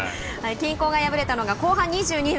均衡が破れたのが後半２２分。